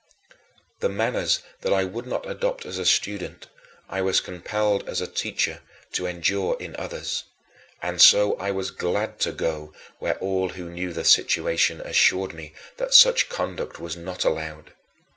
The manners that I would not adopt as a student I was compelled as a teacher to endure in others. And so I was glad to go where all who knew the situation assured me that such conduct was not allowed.